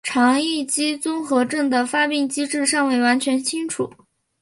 肠易激综合征的发病机制尚未完全清楚。